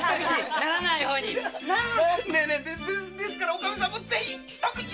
ですからおかみさんもぜひ一口！